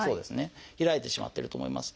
開いてしまってると思います。